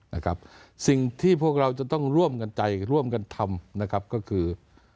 นะครับสิ่งที่พวกเราจะต้องร่วมกันใจร่วมกันทำนะครับก็คือ